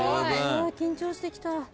緊張してきた。